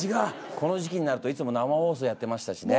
この時期になるといつも生放送やってましたしね。